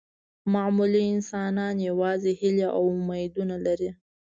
معمولي انسانان یوازې هیلې او امیدونه لري.